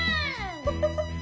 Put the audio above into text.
フフフッ。